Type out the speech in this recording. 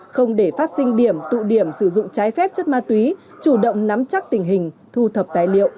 không để phát sinh điểm tụ điểm sử dụng trái phép chất ma túy chủ động nắm chắc tình hình thu thập tài liệu